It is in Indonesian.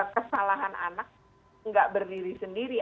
kesalahan anak tidak berdiri sendiri